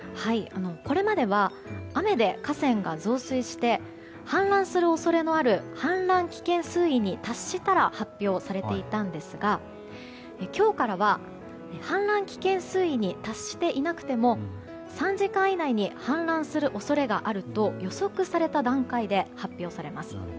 これまでは雨で河川が増水して氾濫する恐れのある氾濫危険水位に達したら発表されていたんですが今日からは氾濫危険水位に達していなくても３時間以内に氾濫する恐れがあると予測された段階で発表されます。